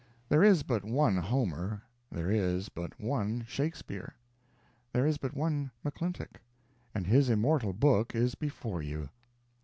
There is but one Homer, there is but one Shakespeare, there is but one McClintock and his immortal book is before you.